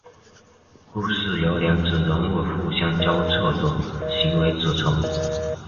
故事由两组人物互相交错的行为组成。